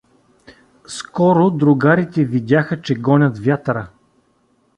Скоро другарите видяха, че гонят вятъра.